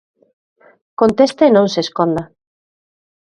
Conteste e non se esconda.